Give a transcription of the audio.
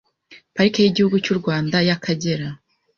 Parike y’igihugu cy’urwanda y’akagera